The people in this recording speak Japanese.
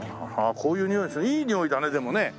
こういうにおいするいいにおいだねでもね。